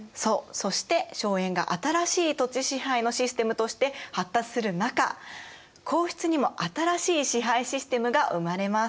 そして荘園が新しい土地支配のシステムとして発達する中皇室にも新しい支配システムが生まれます。